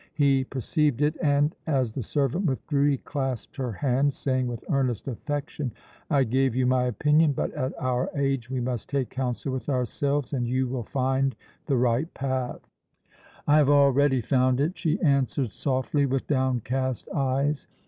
He perceived it and, as the servant withdrew, he clasped her hand, saying with earnest affection: "I gave you my opinion, but at our age we must take counsel with ourselves, and you will find the right path." "I have already found it," she answered softly with downcast eyes.